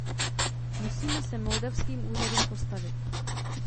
Musíme se moldavským úřadům postavit.